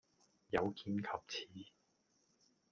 有見及此